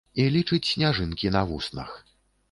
І лічыць сняжынкі на вуснах.